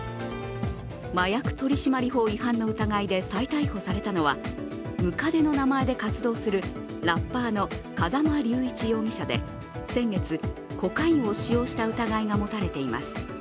麻薬取締法違反の疑いで再逮捕されたのは百足の名前で活動するラッパーの風間龍一容疑者で先月、コカインを使用した疑いが持たれています。